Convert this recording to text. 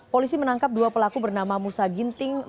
polisi menangkap dua pelaku bernama musa ginting